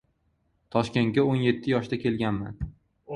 Toshkentga o‘n yetti yoshda kelganman.